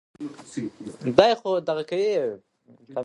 د ایران پوځیان د افغانانو وړاندې د دفاع په حال کې دي.